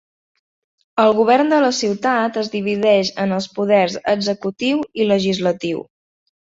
El govern de la ciutat es divideix en els poders executiu i legislatiu.